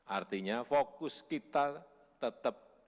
artinya fokus kita tetap